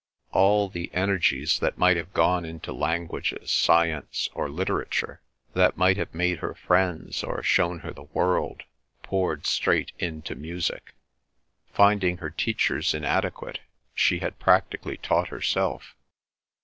All the energies that might have gone into languages, science, or literature, that might have made her friends, or shown her the world, poured straight into music. Finding her teachers inadequate, she had practically taught herself.